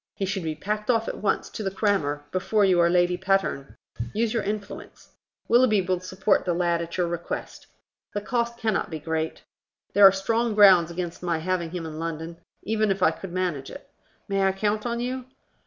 He should be packed off at once to the crammer, before you are Lady Patterne. Use your influence. Willoughby will support the lad at your request. The cost cannot be great. There are strong grounds against my having him in London, even if I could manage it. May I count on you?"